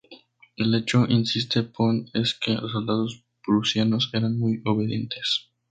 El hecho, insiste Pond, es que los soldados prusianos eran muy obedientes.